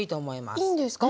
あっいいんですか？